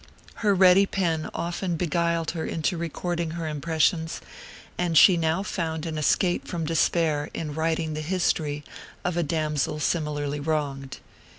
Her ready pen often beguiled her into recording her impressions, and she now found an escape from despair in writing the history of a damsel similarly wronged.